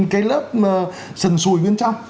cái lớp sần sùi bên trong